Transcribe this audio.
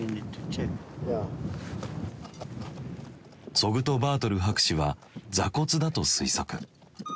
ツォグトバートル博士は座骨だと推測。